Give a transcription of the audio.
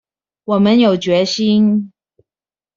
我們有決心